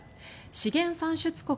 資源産出国